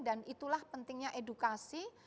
dan itulah pentingnya edukasi